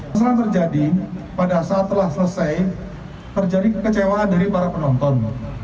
kesalahan terjadi pada saat telah selesai terjadi kekecewaan dari para penonton